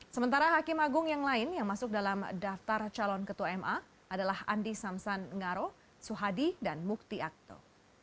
sementara hakim agung yang lain yang masuk dalam daftar calon ketua ma adalah andi samsan ngaro suhadi dan mukti akto